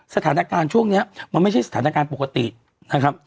สถานการณ์ช่วงนี้มันไม่ใช่สถานการณ์ปกตินะครับ